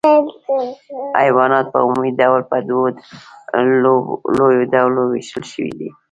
حیوانات په عمومي ډول په دوو لویو ډلو ویشل شوي دي